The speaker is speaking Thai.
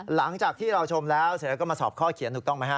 หลังจากที่เราชมแล้วเสร็จแล้วก็มาสอบข้อเขียนถูกต้องไหมฮะ